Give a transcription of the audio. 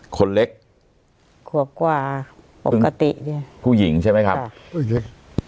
คนเล็กควบความปกติเนี้ยผู้หญิงใช่ไหมครับค่ะ